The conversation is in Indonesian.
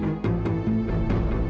pak maafin aku pak